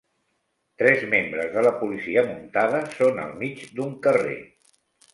Tres membres de la policia muntada són al mig d'un carrer.